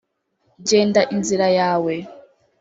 genda inzira yawe.